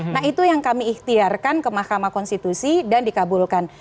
nah itu yang kami ikhtiarkan ke mahkamah konstitusi dan dikabulkan